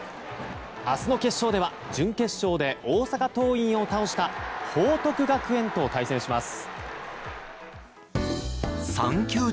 明日の決勝では準決勝で大阪桐蔭を倒した報徳学園と対戦します。